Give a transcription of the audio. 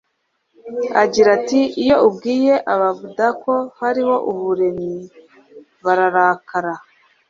agira ati iyo ubwiye ababuda ko hariho umuremyi barahakana